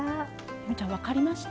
望結ちゃん分かりました？